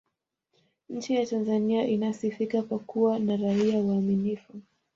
nchi ya tanzania inasifika kwa kuwa na raia waaminifu